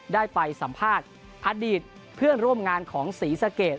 ได้ไปสัมภาษณ์อดีตเพื่อนร่วมงานของศรีสะเกด